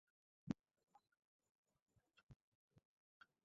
আমাদের নিজেদের জন্য যতটা না, শিশুটির জন্য তার চেয়ে বেশি অস্বস্তি লাগছিল।